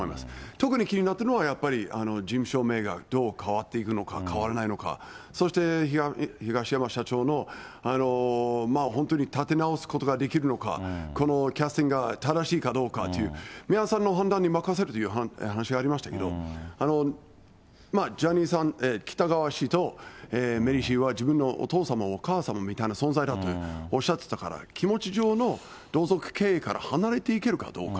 特に気になったのは、事務所名がどう変わっていくのか、変わらないのか、そして東山社長の本当に立て直すことができるのか、このキャスティングが正しいかどうか、皆さんの判断に任せるという話がありましたけど、ジャニーさん、喜多川氏と、メリー氏は自分のお父様、お母様みたいな存在だとおっしゃってたから、気持ち上の同族経営から離れていけるかどうか。